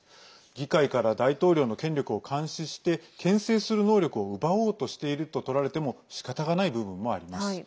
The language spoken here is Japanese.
議会から大統領の権力を監視してけん制する能力を奪おうとしているととられてもしかたがない部分もあります。